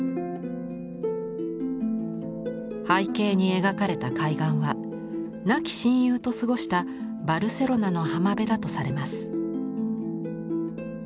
背景に描かれた海岸は亡き親友と過ごしたバルセロナの浜辺だとされます。